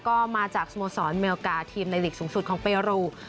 ก็มาจากสโมสรเมลกาทีมในหลีกสูงสุดของเปรู